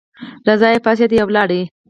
له ځایه پاڅېده او ولاړه.